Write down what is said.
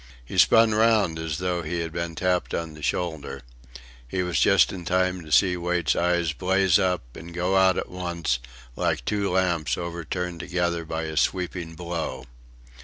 He spun round as though he had been tapped on the shoulder. He was just in time to see Wait's eyes blaze up and go out at once, like two lamps overturned together by a sweeping blow.